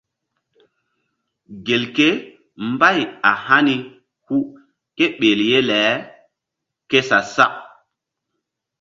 Gelke mbay a hani hu ke ɓel ye le ke sa-sak.